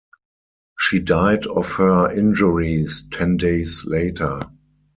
She died of her injuries ten days later.